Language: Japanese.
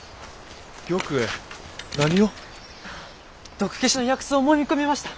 毒消しの薬草をもみ込みました！